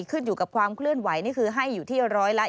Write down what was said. ขึ้นอยู่กับความเคลื่อนไหวนี่คือให้อยู่ที่๑๓